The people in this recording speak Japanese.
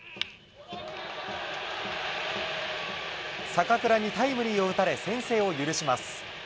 坂倉にタイムリーを打たれ、先制を許します。